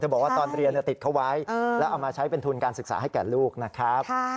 บอกว่าตอนเรียนติดเขาไว้แล้วเอามาใช้เป็นทุนการศึกษาให้แก่ลูกนะครับ